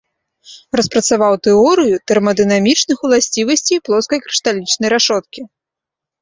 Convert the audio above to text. Распрацаваў тэорыю тэрмадынамічных уласцівасцей плоскай крышталічнай рашоткі.